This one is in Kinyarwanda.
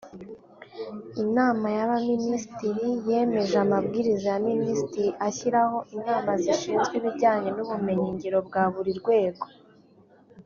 Inama y’Abaminisitiri yemeje Amabwiriza ya Minisitiri ashyiraho Inama zishinzwe ibijyanye n’ubumenyi ngiro bwa buri rwego